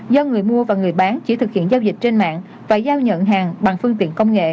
do người mua và người bán chỉ thực hiện giao dịch trên mạng và giao nhận hàng bằng phương tiện công nghệ